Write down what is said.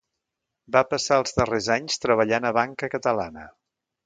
Va passar els darrers anys treballant a Banca Catalana.